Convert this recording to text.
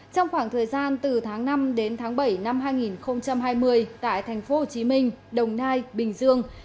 trong khoảng thời gian từ tháng năm đến tháng bảy năm hai nghìn hai mươi tại tp hcm đồng nai bình dương